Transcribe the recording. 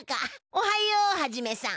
おはようハジメさん。